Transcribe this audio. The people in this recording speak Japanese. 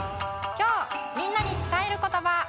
きょうみんなにつたえることば。